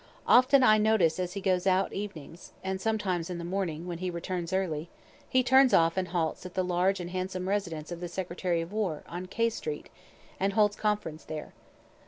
Often I notice as he goes out evenings and sometimes in the morning, when he returns early he turns off and halts at the large and handsome residence of the Secretary of War, on K street, and holds conference there.